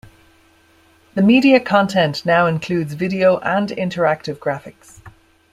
This media content now includes video and interactive graphics.